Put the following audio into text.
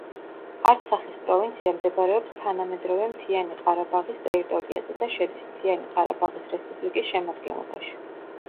არცახის პროვინცია მდებარეობს თანამედროვე მთიანი ყარაბაღის ტერიტორიაზე და შედის მთიანი ყარაბაღის რესპუბლიკის შემადგენლობაში.